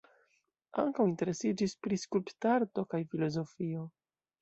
Ankaŭ interesiĝis pri skulptarto kaj filozofio.